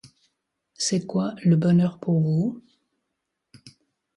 C'est quoi le bonheur pour vous ?